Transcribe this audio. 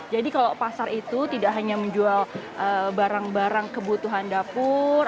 jadi kalau pasar itu tidak hanya menjual barang barang kebutuhan dapur